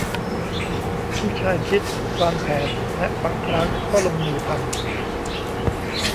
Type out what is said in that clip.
ผู้ชายคิด วางแผนและบางครั้งก็ลงมือทำ